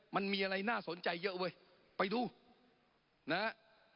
มันมีอะไรน่าสนใจเยอะเว้ยไปดูนะฮะ